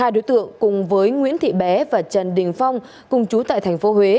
ba đối tượng cùng với nguyễn thị bé và trần đình phong cùng chú tại tp huế